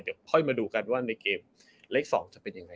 เดี๋ยวค่อยมาดูกันว่าในเกมเลข๒จะเป็นยังไง